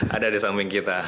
ada di samping kita